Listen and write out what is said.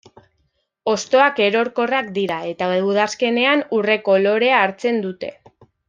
Hostoak erorkorrak dira, eta udazkenean urre kolorea hartzen dute.